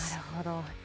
なるほど。